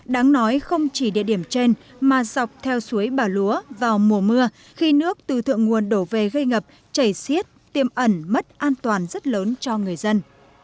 đáng nói không chỉ địa điểm trên mà dọc theo suối bà lúa vào mùa mưa khi nước từ thượng nguồn đổ về gây ngập chảy xiết tiêm ẩn mất an toàn rất lớn cho người dân